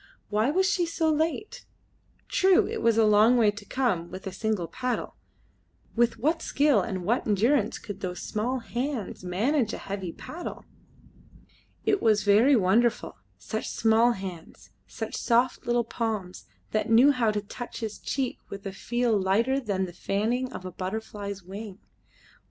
Why was she so late? True, it was a long way to come with a single paddle. With what skill and what endurance could those small hands manage a heavy paddle! It was very wonderful such small hands, such soft little palms that knew how to touch his cheek with a feel lighter than the fanning of a butterfly's wing.